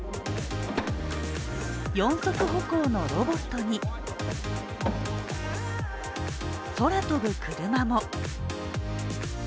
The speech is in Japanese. ４足歩行のロボットに空飛ぶ車も。